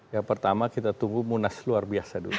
yang pertama kita tunggu munas luar biasa dulu